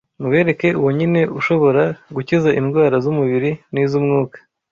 Mubereke Uwo nyine ushobora gukiza indwara z’umubiri n’iz’umwuka